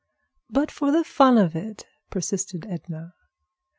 "But for the fun of it," persisted Edna.